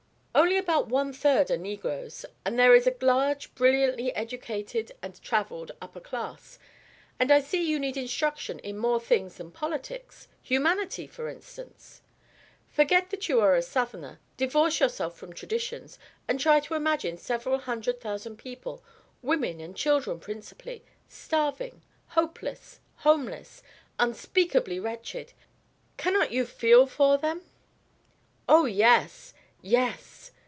"Only about one third are negroes and there is a large brilliantly educated and travelled upper class. And I see you need instruction in more things than politics, humanity, for instance. Forget that you are a Southerner, divorce yourself from traditions, and try to imagine several hundred thousand people women and children, principally starving, hopeless, homeless, unspeakably wretched. Cannot you feel for them?" "Oh, yes! Yes!"